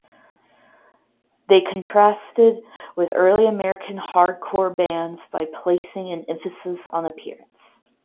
They contrasted with early American hardcore bands by placing an emphasis on appearance.